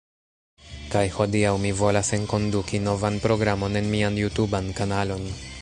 Kaj hodiaŭ mi volas enkonduki novan programon en mian jutuban kanalon